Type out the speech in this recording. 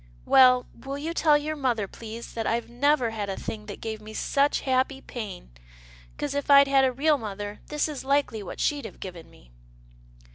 " Well, will you tell your mother, please, that I've never had a thing that gave me such happy pain, 'cause if I'd had a real mother, this is likely what she'd have given me."